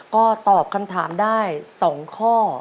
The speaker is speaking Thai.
ก็ตอบคำถามได้๒ข้อ